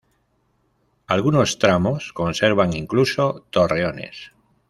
Algunos tramos conservan, incluso, torreones.